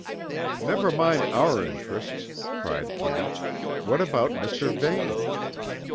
"Never mind our interests," cried Kitty. "What about Mr. Vane?"